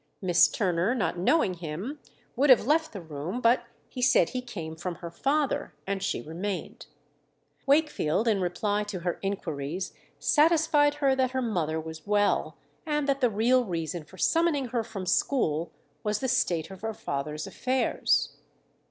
Miss Turner, not knowing him, would have left the room, but he said he came from her father, and she remained. Wakefield, in reply to her inquiries, satisfied her that her mother was well, and that the real reason for summoning her from school was the state of her father's affairs.